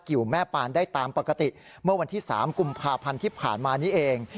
แม่ปานได้ตามปกติเมื่อวันที่๓กุมภาพันธ์ที่ผ่านมานี้เอง